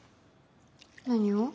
何を？